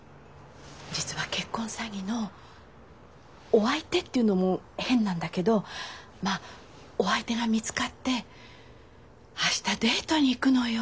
お相手っていうのも変なんだけどまあお相手が見つかって明日デートに行くのよ。